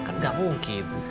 kan tidak mungkin